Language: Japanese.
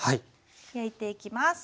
焼いていきます。